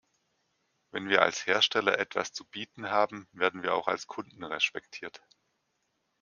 Wenn wir als Hersteller etwas zu bieten haben, werden wir auch als Kunden respektiert.